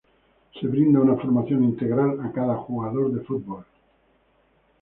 Se brinda una formación integral a cada jugador de fútbol.